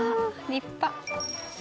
立派。